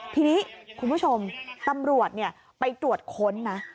ทีนี้คุณผู้ชมตำรวจไปตรวจค้นนะ